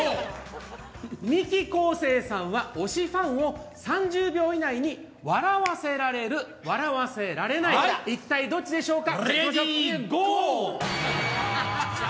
ミキ・昴生さんは推しファンを３０秒以内に笑わせられる、笑わせられない、どちらでしょうか。